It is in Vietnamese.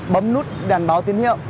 bấm nút đèn báo tín hiệu